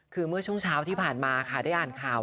คือเมื่อช่วงเช้าที่ผ่านมาค่ะได้อ่านข่าว